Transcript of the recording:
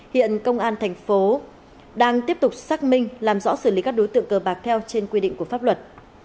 hiện công an thành phố đang tiếp tục xác minh làm rõ xử lý các đối tượng cờ bạc theo trên quy định của pháp luật